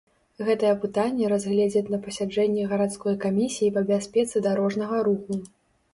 Гэтае пытанне разгледзяць на пасяджэнні гарадской камісіі па бяспецы дарожнага руху.